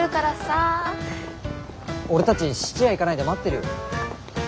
俺たち質屋行かないで待ってる。